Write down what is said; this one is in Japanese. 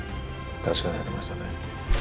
確かにありましたね。